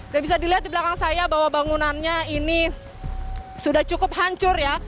dan bisa dilihat di belakang saya bahwa bangunannya ini sudah cukup hancur ya